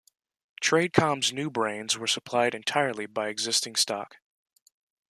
Tradecom's NewBrains were supplied entirely by existing stock.